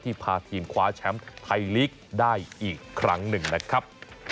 พาทีมคว้าแชมป์ไทยลีกได้อีกครั้งหนึ่งนะครับ